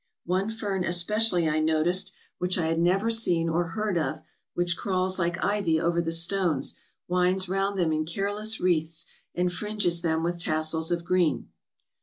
One fern especially I noticed, which I had never seen or heard of, which crawls like ivy over the stones, winds round them in careless wreaths, and fringes them with tassels of green.